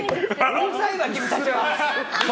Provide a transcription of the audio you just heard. うるさいな、君たちは！